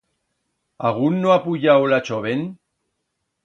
Agún no ha puyau la choven?